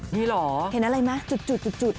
นี่เหรอเห็นอะไรไหมจุด